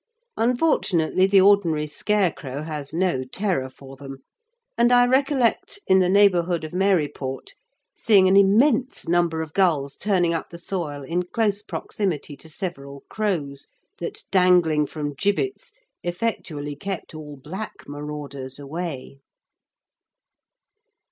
Unfortunately the ordinary scarecrow has no terror for them, and I recollect, in the neighbourhood of Maryport, seeing an immense number of gulls turning up the soil in close proximity to several crows that, dangling from gibbets, effectually kept all black marauders away.